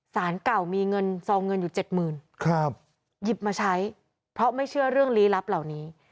สารเก่ามีเงินซองเงินอยู่เจ็ดหมื่นครับหยิบมาใช้เพราะไม่เชื่อเรื่องลี้ลับเหล่านี้